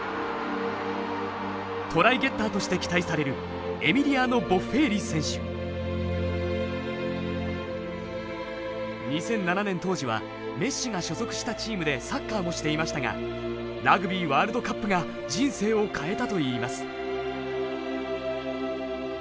トライゲッターとして期待される２００７年当時はメッシが所属したチームでサッカーもしていましたがラグビーワールドカップが人生を変えたといいます。